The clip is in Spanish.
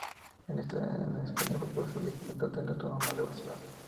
En España fue profesor visitante en la Autónoma de Barcelona.